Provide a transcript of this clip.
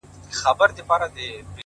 • نور د منبر څوکو ته مه خېژوه,